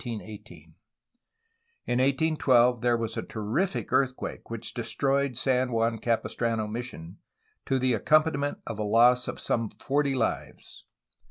In 1812 there was a terrific earthquake which destroyed San Juan Capistrano mission, to the accompaniment of a loss of some forty lives.